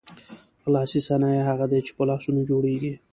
لاسي صنایع هغه دي چې په لاسونو جوړیږي.